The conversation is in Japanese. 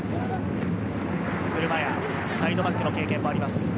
車屋はサイドバックの経験もあります。